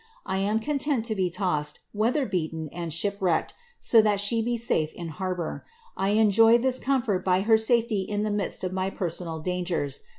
I am content to be tossed, weather beaten, and shipwrecked, so that she be safe in harbour. 1 enjoy this comfort by her safety in the midst of my personal dangers.